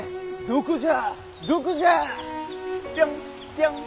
「ここじゃ。